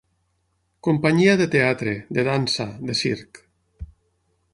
Companyia de teatre, de dansa, de circ.